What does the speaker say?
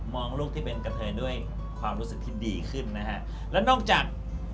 มองลูกที่เป็นกะเทยด้วยความรู้สึกดีขึ้นนะครับ